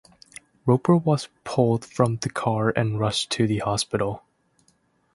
Roper was pulled from the car and rushed to the hospital.